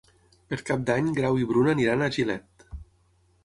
Per Cap d'Any en Grau i na Bruna aniran a Gilet.